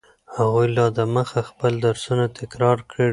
هغوی لا دمخه خپل درسونه تکرار کړي.